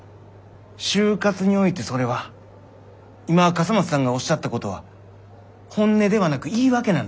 就活においてそれは今笠松さんがおっしゃったことは本音ではなく言い訳なんです。